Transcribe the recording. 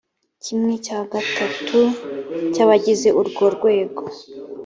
kimwe cya gatatu cy’abagize urwo rwego